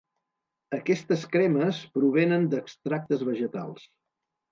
Aquestes cremes provenen d'extractes vegetals.